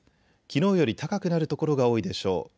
きのうより高くなる所が多いでしょう。